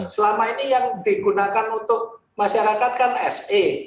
selama ini yang digunakan untuk masyarakat kan se